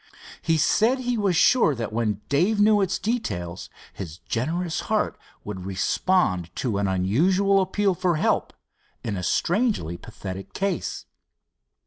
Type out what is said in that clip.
He said he was sure that when Dave knew its details, his generous heart would respond to an unusual appeal for help in a strangely pathetic case.